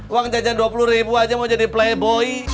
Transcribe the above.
uang jajan dua puluh ribu aja mau jadi playboi